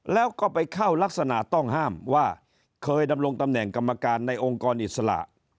แล้วก็ไปเข้ารักษณะต้องห้ามว่าเคยดำรงตำแหน่งกรรมการในองค์กรอิสระ